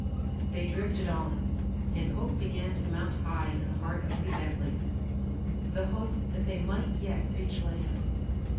They drifted on, and hope began to mount high in the heart of Lee Bentley the hope that they might yet reach land.